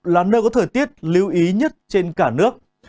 là nơi có thời tiết lưu ý nhất trên cả nước